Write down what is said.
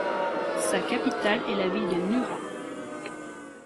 Sa capitale est la ville de Nurra.